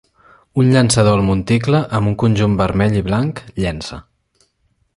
Un llançador al monticle, amb un conjunt vermell i blanc, llença.